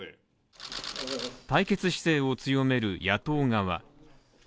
対決姿勢を強める野党側。